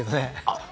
あっ